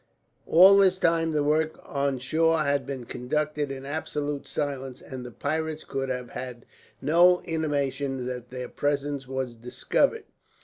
All this time, the work on shore had been conducted in absolute silence, and the pirates could have had no intimation that their presence was discovered.